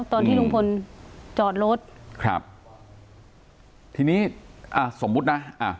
ตอนที่ลุงพลจอดรถครับทีนี้อ่าสมมุตินะอ่า